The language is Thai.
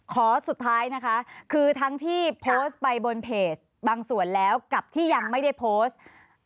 ขอสุดท้ายนะคะคือทั้งที่โพสต์ไปบนเพจบางส่วนแล้วกับที่ยังไม่ได้โพสต์